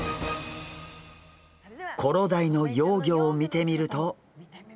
コロダイの幼魚を見てみると。